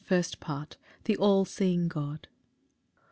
First Part. L. M. The all seeing God.